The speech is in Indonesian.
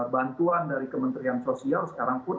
bantuan dari kementerian sosial sekarang pun